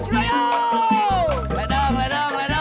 semarang semarang semarang